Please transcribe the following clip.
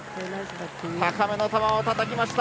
高めの球をたたきました。